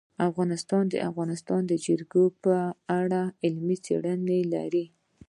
افغانستان د د افغانستان جلکو په اړه علمي څېړنې لري.